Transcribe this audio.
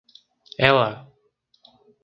Ela!